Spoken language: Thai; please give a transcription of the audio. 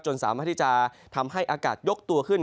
สามารถที่จะทำให้อากาศยกตัวขึ้น